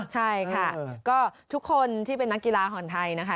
ใช่ค่ะก็ทุกคนที่เป็นนักกีฬาห่อนไทยนะคะ